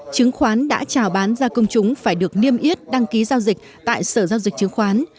chứng khoán đã trào bán ra công chúng phải được niêm yết đăng ký giao dịch tại sở giao dịch chứng khoán